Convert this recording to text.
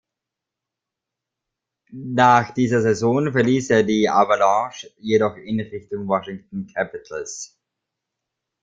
Nach dieser Saison verließ er die Avalanche jedoch in Richtung Washington Capitals.